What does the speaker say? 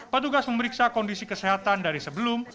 petugas memeriksa kondisi kesehatan dari sebelum